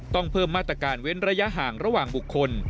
ต้องเพิ่มมาตรการเว้นระยะห่างระหว่างบุคคล